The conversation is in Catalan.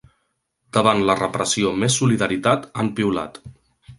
Davant la repressió més solidaritat, han piulat.